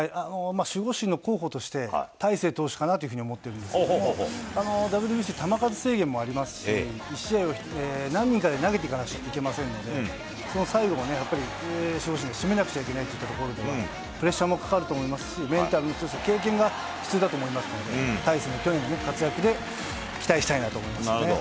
守護神の候補として、大勢投手かなというふうに思ってるんですけど、ＷＢＣ、球数制限もありますし、１試合を何人かで投げていかなければいけませんので、最後もね、やっぱり、守護神、締めなくちゃいけないっていったところで、プレッシャーもかかると思いますし、メンタルの強さ、経験が必要だと思います戻りました。